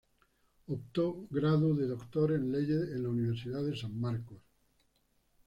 Optó grado de Doctor en Leyes en la Universidad de San Marcos.